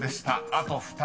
あと２人。